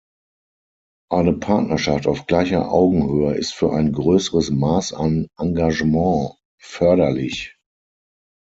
Eine Partnerschaft auf gleicher Augenhöhe ist für ein größeres Maß an Engagement förderlich.